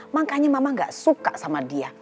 makanya mama gak suka sama dia